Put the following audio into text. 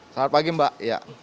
selamat pagi mbak ya